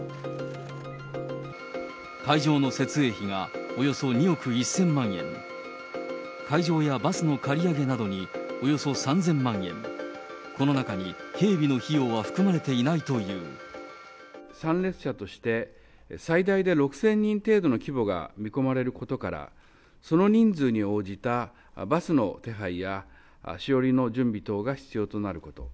会場の設営費がおよそ２億１０００万円、会場やバスの借り上げなどにおよそ３０００万円、この中に警備の参列者として、最大で６０００人程度の規模が見込まれることから、その人数に応じたバスの手配や、しおりの準備等が必要となること。